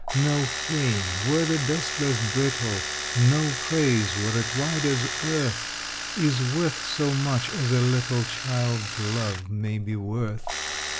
No fame, were the best less brittle, No praise, were it wide as earth, Is worth so much as a little Child's love may be worth.